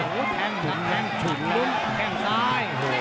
โอ้โหแดงชุดลุ้มแดงซ้าย